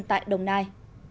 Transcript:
tại đồng nai